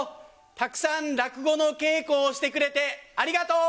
たくさん落語の稽古をしてくれてありがとう。